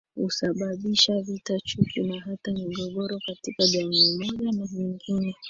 Husababisha vita chuki na hata migogoro katika jamii moja na nyingine